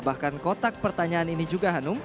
bahkan kotak pertanyaan ini juga hanum